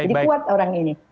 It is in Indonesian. jadi kuat orang ini